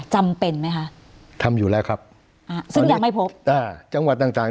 จำเป็นไหมคะทำอยู่แล้วครับอ่าซึ่งยังไม่พบอ่าจังหวัดต่างต่าง